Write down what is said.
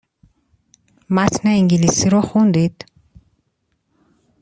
متن انگلیسی رو خوندید؟